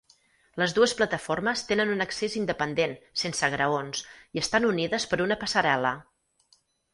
Les dues plataformes tenen un accés independent sense graons i estan unides per una passarel·la.